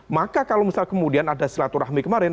maka kalau misal kemudian ada silaturahmi kemarin